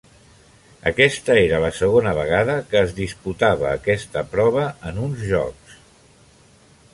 Aquesta era la segona vegada que es disputava aquesta prova en uns Jocs.